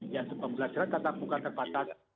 yang pembelajaran tatap muka terbatas